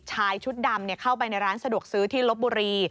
ชายชุดดำเข้าไปในร้านสะดวกซื้อที่ลบบุรี